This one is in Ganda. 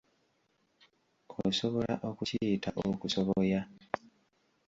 Osobola okukiyita okusoboya.